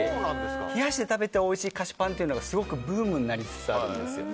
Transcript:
冷やして食べておいしい菓子パンがすごくブームになりつつあるんですよ。